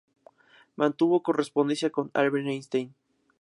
Mantuvo correspondencia con Albert Einstein.